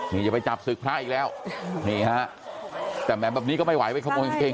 นี่จะไปจับศึกพระอีกแล้วนี่ฮะแต่แบบแบบนี้ก็ไม่ไหวไว้เข้าโมงจริงจริง